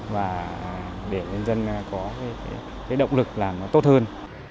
và để nhân dân có động lực làm tốt hơn